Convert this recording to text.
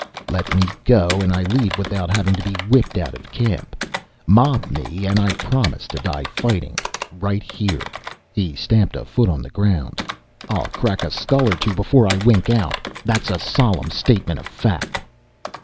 Let me go, and I leave without having to be whipped out of camp. Mob me, and I promise to die fighting, right here." He stamped a foot on the ground. "I'll crack a skull or two before I wink out. That's a solemn statement of fact."